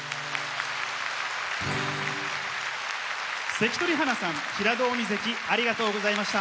関取花さん平戸海関ありがとうございました。